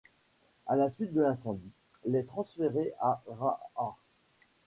À la suite de l'incendie, l' est transférée à Raahe.